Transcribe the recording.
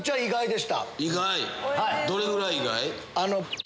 どれぐらい意外？